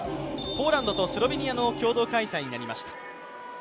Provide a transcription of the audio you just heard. ポーランドとスロベニアの共同開催になりました。